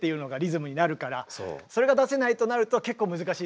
それが出せないとなると結構難しいところが。